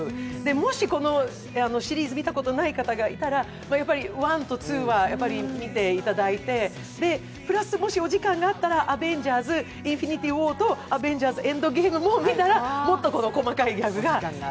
もし、このシリーズ見たことない方がいたらやっぱり１と２は見ていただいて、プラスもしお時間があったら、「アベンジャーズ／インフィニティ・ウォー」と「アベンジャーズ／エンドゲーム」も見たら、もっと細かいギャグが。